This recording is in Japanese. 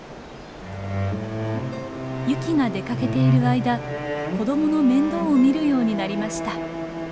ユキが出かけている間子どもの面倒を見るようになりました。